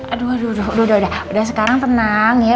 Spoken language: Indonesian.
aduh aduh aduh udah sekarang tenang ya